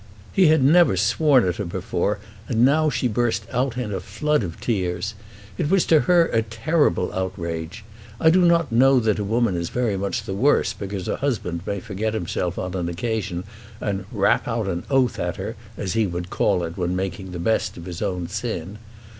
He had never sworn at her before, and now she burst out into a flood of tears. It was to her a terrible outrage. I do not know that a woman is very much the worse because her husband may forget himself on an occasion and "rap out an oath at her," as he would call it when making the best of his own sin.